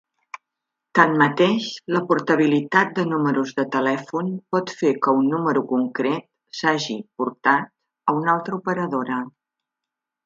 Tanmateix, la portabilitat de números de telèfon pot fer que un número concret s'hagi "portat" a una altra operadora.